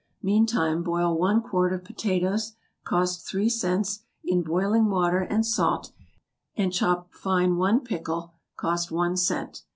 Meantime boil one quart of potatoes, (cost three cents,) in boiling water and salt, and chop fine one pickle, (cost one cent.)